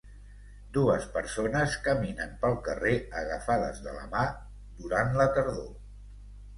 Dues persones caminen pel carrer agafades de la mà durant la tardor.